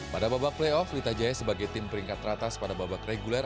pada babak playoff lita jaya sebagai tim peringkat teratas pada babak reguler